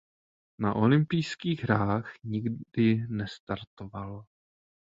Na olympijských hrách nikdy nestartoval.